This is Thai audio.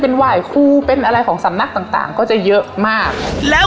เป็นไหว้ครูเป็นอะไรของสำนักต่างต่างก็จะเยอะมากแล้ว